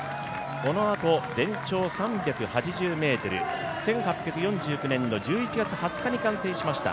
このあと全長３８０ｍ、１８４０年の１１月２０日に完成しました、